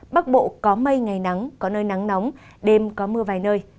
bắc bộ có mây ngày nắng có nơi nắng nóng đêm có mưa vài nơi